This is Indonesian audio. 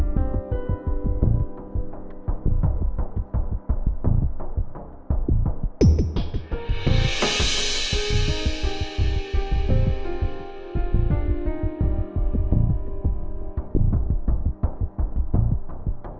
jangan lupa like share dan subscribe ya